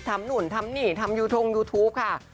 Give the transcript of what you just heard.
ทำหนุ่นทำหนี่ทำยูทูปค่ะ